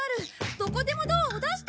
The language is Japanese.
どこでもドアを出して！